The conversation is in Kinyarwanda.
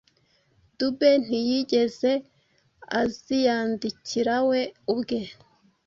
Dube ntyigeze aziyandikira we ubwe